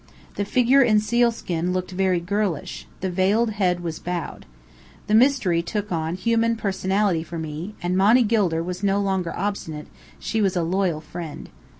The figure in sealskin looked very girlish; the veiled head was bowed. The mystery took on human personality for me, and Monny Gilder was no longer obstinate; she was a loyal friend.